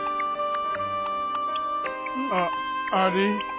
あっあれ？